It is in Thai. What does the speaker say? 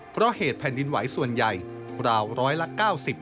เพราะเหตุแผ่นดินไหวส่วนใหญ่ราวร้อยละ๙๐